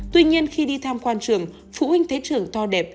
tuy nhiên khi đi tham quan trường phụ huynh thấy trường to đẹp